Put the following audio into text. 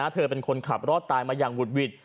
เธอเป็นคนขับรอดตายมาอย่างหุดหวิด